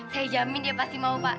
saya jamin dia pasti mau pak